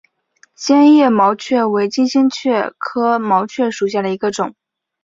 坚叶毛蕨为金星蕨科毛蕨属下的一个种。